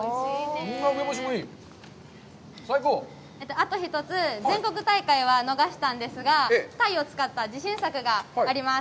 あと一つ、全国大会は逃したんですが、鯛を使った自信作があります。